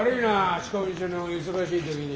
仕込み中の忙しい時に。